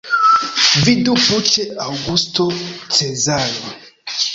Vidu plu ĉe Aŭgusto Cezaro.